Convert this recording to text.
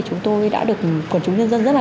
chúng tôi đã được quần chúng nhân dân rất là